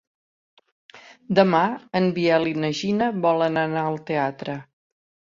Demà en Biel i na Gina volen anar al teatre.